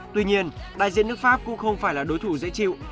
tuy nhiên đại diện nước pháp cũng không phải là đối thủ dễ chịu